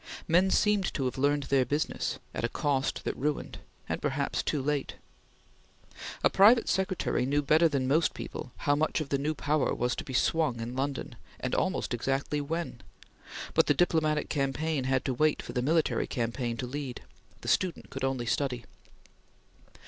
Men seemed to have learned their business at a cost that ruined and perhaps too late. A private secretary knew better than most people how much of the new power was to be swung in London, and almost exactly when; but the diplomatic campaign had to wait for the military campaign to lead. The student could only study.